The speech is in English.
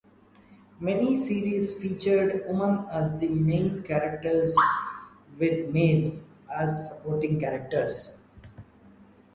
Many series featured women as the main characters with males as supporting characters.